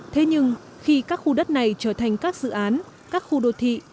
thế nhưng khi các khu đất này trở thành các dự án các khu đô thị